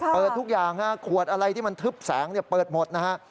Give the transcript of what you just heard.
เปิดทุกอย่างฮะขวดอะไรที่มันทึบแสงเปิดหมดนะฮะ